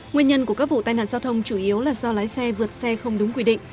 nguyên nhân của các vụ tai nạn giao thông chủ yếu là do lái xe vượt xe không đúng quy định